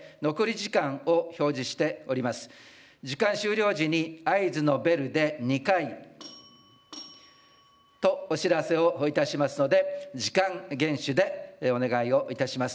時間終了時に合図のベルで２回、とお知らせをいたしますので、時間厳守でお願いをいたします。